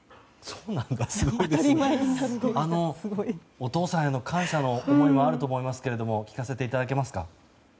お父さんへの感謝の思いもあると思いますけれども聞かせていただけますか。